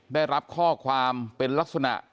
ได้รับข้อความเป็นลักษณะ